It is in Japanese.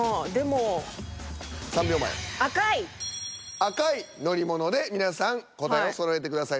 「赤い乗り物」で皆さん答えをそろえてください。